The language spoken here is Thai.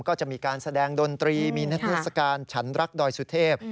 ก็จะมีการแสดงดนตรีมีนิทัศกาลฉันรักดอยสุเทพ